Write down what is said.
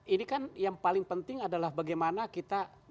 ini kan yang paling penting adalah bagaimana kita menjaga kepentingan kita